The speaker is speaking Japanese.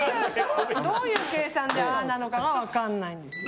どういう計算でああなのかはわかんないんですよ。